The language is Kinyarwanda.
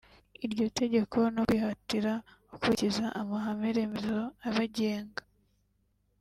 iryo tegeko no kwihatira gukurikiza amahame-remezo abagenga